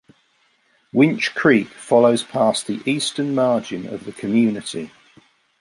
Winch Creek flows past the eastern margin of the community.